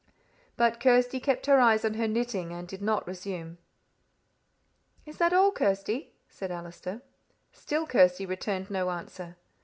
But Kirsty kept her eyes on her knitting, and did not resume. "Is that all, Kirsty?" said Allister. Still Kirsty returned no answer.